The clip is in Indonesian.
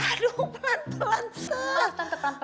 aduh pelan pelan tante